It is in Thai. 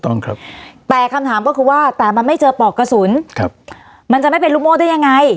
ต้องครับแต่คำถามก็คือว่าแต่มันไม่เจอปอกกระสุนครับมันจะไม่เป็นลูกโม่ได้ยังไง